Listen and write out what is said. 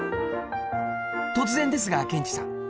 突然ですがケンチさん。